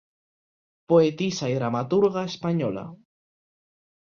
Poeta y dramaturga española.